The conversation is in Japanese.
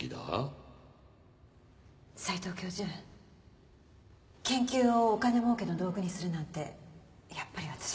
斎藤教授研究をお金儲けの道具にするなんてやっぱり私には。